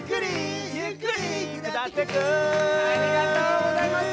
ありがとうございます！